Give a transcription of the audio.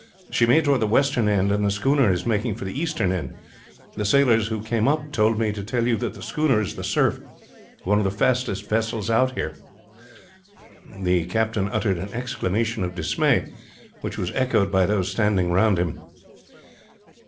She made toward the western end, and the schooner is making for the eastern end. The sailors who came up told me to tell you that the schooner is the Cerf, one of the fastest vessels out here." The captain uttered an exclamation of dismay, which was echoed by those standing round him.